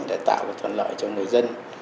để tạo được thuận lợi cho người dân